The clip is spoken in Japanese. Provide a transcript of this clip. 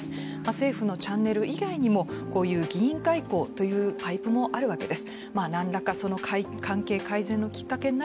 政府のチャンネル以外にも議員外交というパイプもあるわけです。